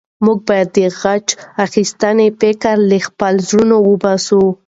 موږ باید د غچ اخیستنې فکر له خپلو زړونو وباسو.